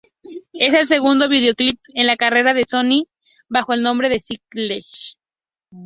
Es el segundo videoclip en la carrera de Sonny bajo el nombre Skrillex.